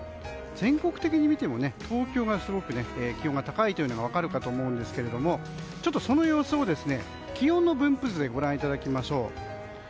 全国的に見ても東京がすごく気温が高いのが分かるかと思いますがその様子を気温の分布図でご覧いただきましょう。